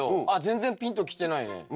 あっ全然ピンときてないね。